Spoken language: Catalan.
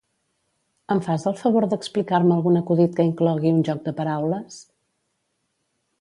Em fas el favor d'explicar-me algun acudit que inclogui un joc de paraules?